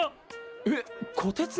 えっこてつの！？